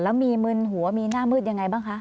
แล้วมีมึนหัวมีหน้ามืดยังไงบ้างคะ